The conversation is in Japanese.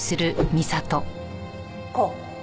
こう？